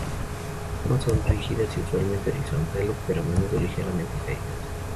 Las ramas son rígidas y usualmente horizontales, pero a menudo ligeramente caídas.